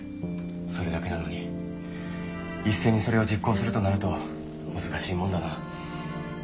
それだけなのに一斉にそれを実行するとなると難しいもんだな。